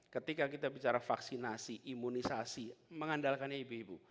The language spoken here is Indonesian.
ketika kita bicara vaksinasi imunisasi mengandalkannya ibu ibu